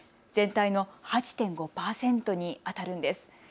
全体の８．５％にあたるんです。